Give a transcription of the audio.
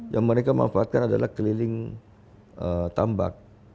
yang mereka manfaatkan adalah keliling tambak